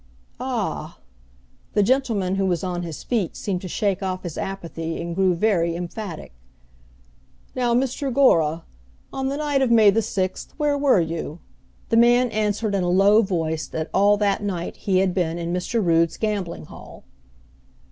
"Ah!" The gentleman who was on his feet seemed to shake off his apathy and grew very, emphatic, "Now, Mr. Gora on the night of May the sixth where were you?" The man answered in a low voice that all that night he had been in Mr. Rood's gambling hall.